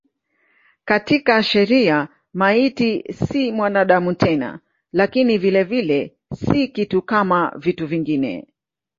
Katika sheria maiti si mwanadamu tena lakini vilevile si kitu kama vitu vingine.